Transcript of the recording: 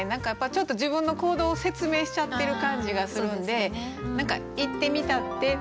ちょっと自分の行動を説明しちゃってる感じがするんで「言ってみたって」とか。